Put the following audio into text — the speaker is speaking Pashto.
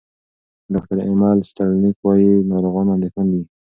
ډاکټر امل سټرلینګ وايي، ناروغان اندېښمن وي.